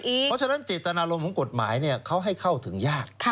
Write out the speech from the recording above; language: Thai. เพราะฉะนั้นเจตนารมณ์ของกฎหมายเขาให้เข้าถึงยาก